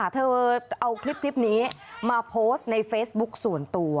เธอเอาคลิปนี้มาโพสต์ในเฟซบุ๊คส่วนตัว